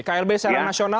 klb secara nasional